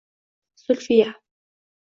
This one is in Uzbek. Zulfiya